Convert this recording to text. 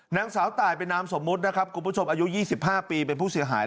นางสาวตายเป็นนามสมมุตินะครับคุณผู้ชมอายุ๒๕ปีเป็นผู้เสียหาย